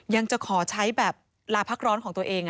ยังจะขอใช้แบบลาพักร้อนของตัวเอง